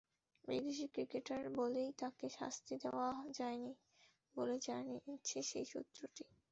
বিদেশি ক্রিকেটার বলেই তাঁকে শাস্তি দেওয়া যায়নি বলে জানিয়েছে সেই সূত্রটি।